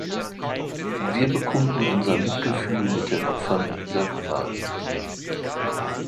Wir bekunden unser Mitgefühl mit den Opfern dieser Gewalt.